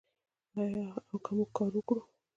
آیا او که موږ کار وکړو؟